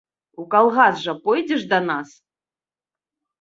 У калгас жа пойдзеш да нас?